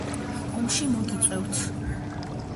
ომში მოგიწვევთ